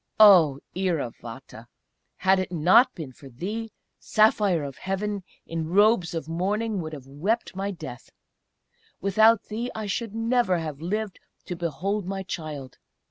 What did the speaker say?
Oh! Iravata, had it pot been for thee, Saphire of Heaven, in robes of mourning, would have wept my death; without thee I should never have lived to behold my child!